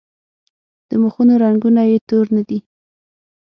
د مخونو رنګونه یې تور نه دي.